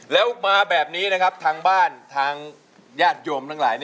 แล้วมาแบบนี้นะครับทางบ้านทางญาติโยมทั้งหลาย